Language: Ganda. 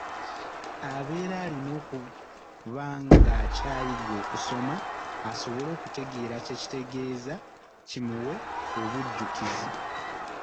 Abeera alina okuba ng'akyayiga okusoma asobolE okutegeera kye kitegeeza kimuwe obujjukizi.